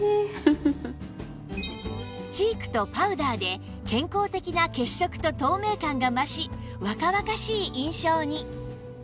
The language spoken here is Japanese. チークとパウダーで健康的な血色と透明感が増し若々しい印象に